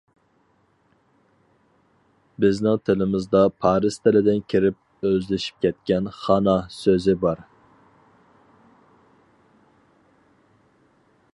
بىزنىڭ تىلىمىزدا پارس تىلىدىن كىرىپ ئۆزلىشىپ كەتكەن‹‹ خانا›› سۆزى بار.